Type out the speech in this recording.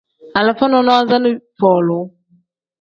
Alifa nonaza ni folu.